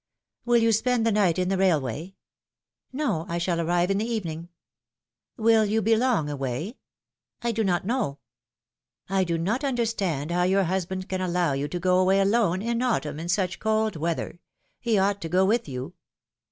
Will you spend the night in the railway?" '^No, I shall arrive in the evening." Will you be long away ?" I do not know." I do not understand how your husband can allow you to go away alone, in autumn, in such cold weather. He ought to go with you."